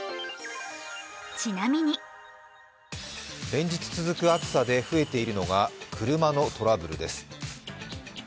連日続く暑さで増えているのが車のトラブルです。